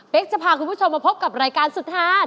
เป็นจะพาคุณผู้ชมมาพบกับรายการสุดท้าย